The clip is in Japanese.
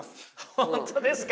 本当ですか？